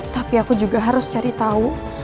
tapi aku juga harus cari tahu